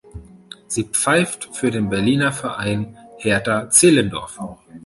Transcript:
Sie pfeift für den Berliner Verein Hertha Zehlendorf.